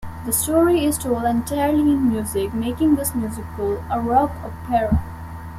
The story is told entirely in music, making this musical a rock opera.